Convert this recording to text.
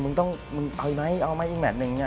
มึงต้องเอาไหมเอาไหมอีกแมตรหนึ่ง